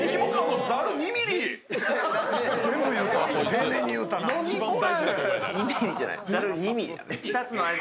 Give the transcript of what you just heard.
丁寧に言うたな。